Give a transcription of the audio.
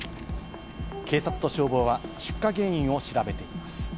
警察と消防は出火原因を調べています。